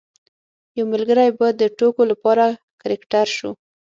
یو ملګری به د ټوکو لپاره کرکټر شو.